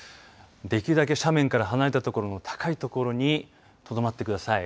できるだけ斜面から離れた所の高い所にとどまってください。